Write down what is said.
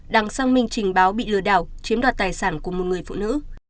đang xăng minh trình báo bị lửa đảo chiếm đoạt tài sản của một người phụ nữ